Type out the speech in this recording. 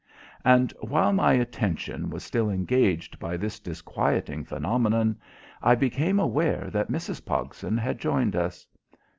And while my attention was still engaged by this disquieting phenomenon, I became aware that Mrs. Pogson had joined us.